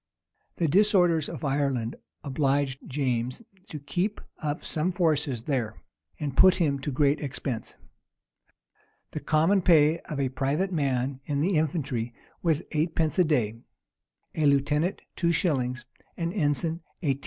The disorders of Ireland obliged James to keep up some forces there, and put him to great expense. The common pay of a private man in the infantry was eightpence a day, a lieutenant two shillings, an ensign eighteen pence.